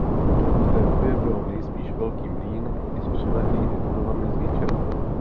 V té době byl nejspíš Velký mlýn i s přilehlými budovami zničen.